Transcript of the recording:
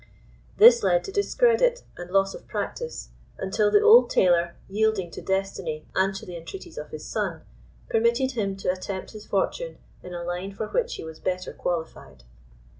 This led to discredit and loss of practice, until the old tailor, yielding to destiny and to the entreaties of his son, permitted him to attempt his fortune in a line for which he was better qualified.